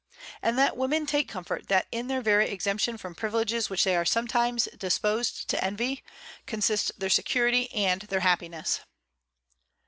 And let women take comfort that in their very exemption from privileges which they are sometimes disposed to envy, consist their security and their happiness."